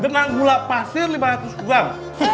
dengan gula pasir lima ratus gram